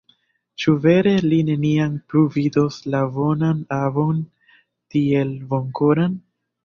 Ĉu vere li neniam plu vidos la bonan avon, tiel bonkoran?